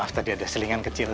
harus tadi ada selingan kecil